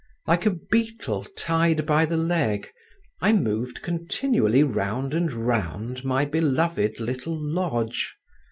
Like a beetle tied by the leg, I moved continually round and round my beloved little lodge.